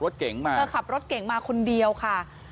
เธอขับรถเก่งมาคนเดียวค่ะ